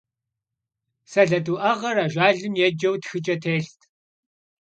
Сэлэт уӀэгъэр ажалым еджэу тхыкӀэ телът.